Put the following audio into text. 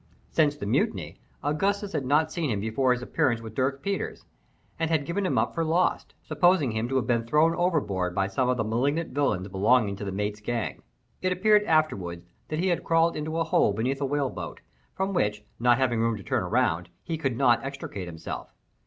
Since the mutiny, Augustus had not seen him before his appearance with Dirk Peters, and had given him up for lost, supposing him to have been thrown overboard by some of the malignant villains belonging to the mate's gang. It appeared afterward that he had crawled into a hole beneath a whale boat, from which, not having room to turn round, he could not extricate himself.